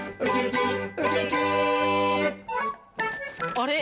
あれ？